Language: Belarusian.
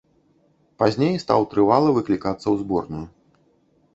Пазней стаў трывала выклікацца ў зборную.